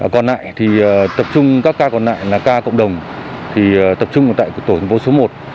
còn lại thì tập trung các ca còn lại là ca cộng đồng tập trung tại tổng số một